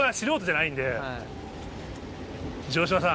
城島さん。